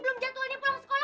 belum jadwalnya pulang sekolah